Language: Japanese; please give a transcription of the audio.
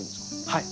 はい。